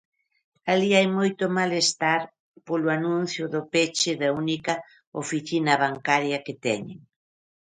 Alí hai moito malestar polo anuncio do peche da única oficina bancaria que teñen.